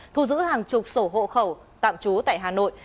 thu giữ hàng chục sổ hộ khẩu tạm trú tại hà nội